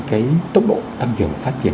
cái tốc độ tăng trưởng phát triển